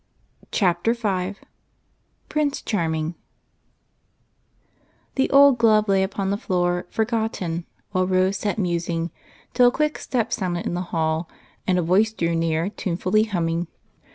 Chapter 5 PRINCE CHARMING The old glove lay upon the floor forgotten while Rose sat musing, till a quick step sounded in the hall and a voice drew near, tunefully humming.